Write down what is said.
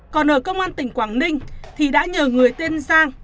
còn ở công an tỉnh quảng ninh thì đã nhờ người tên sang